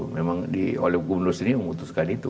memang oleh gubernur sendiri memutuskan itu